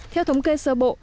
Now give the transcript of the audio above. theo thống kê sơ bộ